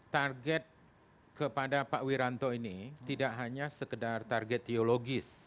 target kepada pak wiranto ini tidak hanya sekedar target teologis